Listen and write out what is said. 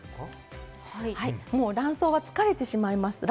もう卵巣が疲れてしまいます。